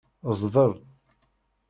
Zdel.